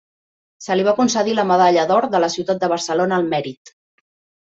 Se li va concedir la medalla d'or de la ciutat de Barcelona al mèrit.